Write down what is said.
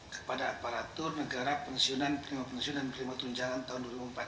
kepada aparatur negara pensiunan penerima pensiun dan penerima tunjangan tahun dua ribu empat belas